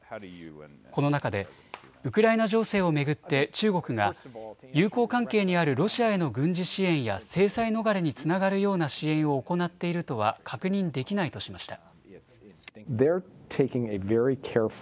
この中でウクライナ情勢を巡って中国が友好関係にあるロシアへの軍事支援や制裁逃れにつながるような支援を行っているとは確認できないとしました。